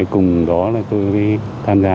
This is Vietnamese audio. cùng đó tôi tham gia